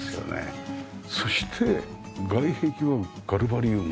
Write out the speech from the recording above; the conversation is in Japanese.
そして外壁はガルバリウムの。